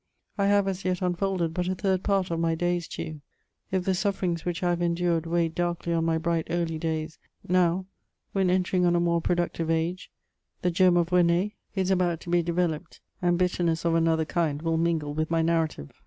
1 have as yet unfolded but a third part of my days to you : if the sufferings which I have endured weighed darkly on my bright early days, now, when entering on a more productive ige^ the germ of Rene is about to be developed, and bitterness of another kind will mingle with my narrative